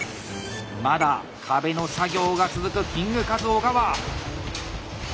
まだ壁の作業が続くキングカズ小川。